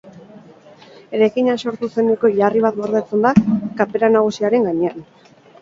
Eraikina sortu zeneko hilarri bat gordetzen da kapera nagusiaren gainean.